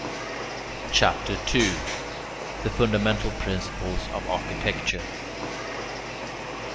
CHAPTER II THE FUNDAMENTAL PRINCIPLES OF ARCHITECTURE 1.